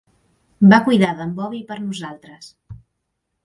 Va cuidar d'en Bobby per nosaltres.